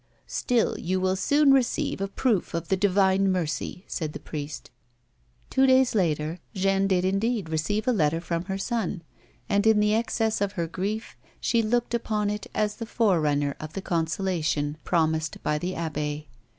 " Still you will soon receive a proof of the Divine mercy," said the priest. Two days later, Jeanne did indeed receive a letter from her son, and in the excess of her grief, she looked upon it as the forerunner of the consolation promised by the abb^.